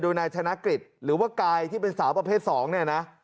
โดยนายธนกฤษหรือว่ากายที่เป็นสาวประเภท๒เนี่ยนะ